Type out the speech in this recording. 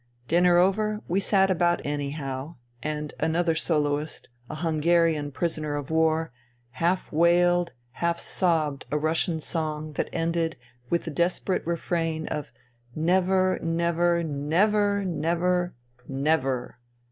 Dinner over, we sat about anyhow, and another soloist, a Hungarian prisoner of war, half wailed, half sobbed a Russian song that ended with the desperate refrain of " Never, never, never, never ... never.